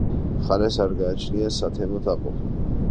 მხარეს არ გააჩნია სათემო დაყოფა.